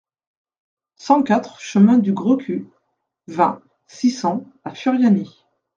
cent quatre chemin du Grecu, vingt, six cents à Furiani